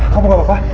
kamu gak apa apa